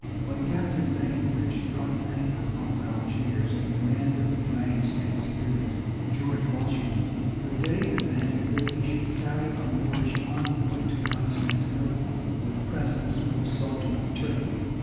When Captain Bainbridge dropped anchor off Algiers in command of the United States frigate George Washington, the Dey demanded that he should carry a Moorish envoy to Constantinople with presents for the Sultan of Turkey.